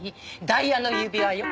ダイヤの指輪よ。